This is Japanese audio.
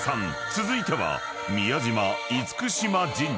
［続いては］